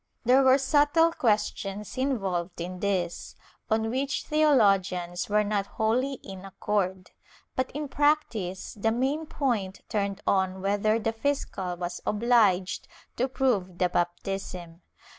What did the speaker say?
There were subtile questions involved in this, on which theologians were not wholly in accord, but in practice the main point turned on whether the fiscal was obhged to prove the baptism.